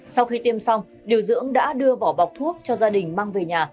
sau khi tiêm xong điều dưỡng đã đưa vỏ bọc thuốc cho gia đình mang về nhà